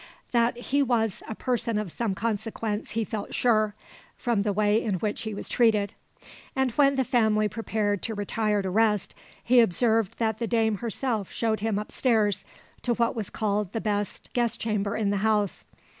That he was a person of some consequence he felt sure, from the way in which he was treated; and when the family prepared to retire to rest, he observed that the dame herself showed him up stairs to what was called the best guest chamber in the house.